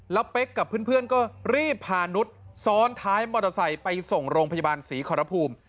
แล้วเป๊กกับเพื่อนก็รีบพานุษย์ซ้อนท้ายมอเตอร์ไซค์ไปส่งโรงพยาบาลศรีขอรภูมิ